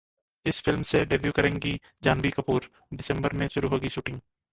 इस फिल्म से डेब्यू करेंगी जाह्नवी कपूर, दिसंबर में शुरू होगी शूटिंग!